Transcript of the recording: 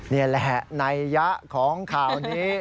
นี่แหละนัยยะของข่าวนี้